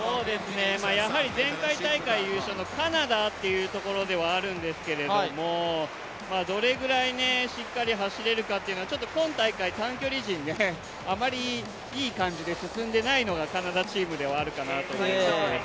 やはり前回大会優勝のカナダというところではあるんですけれどもどれくらいしっかり走れるかというのは、ちょっと今大会、短距離陣、あまりいい感じで進んでいないのがカナダチームではあるかと思います。